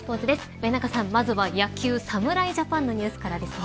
上中さん、まずは野球侍ジャパンのニュースからですね。